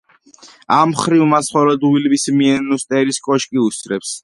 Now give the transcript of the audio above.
ამ მხრივ მას მხოლოდ ულმის მიუნსტერის კოშკი უსწრებს.